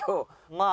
まあ。